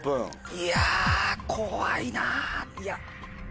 いや怖いないや。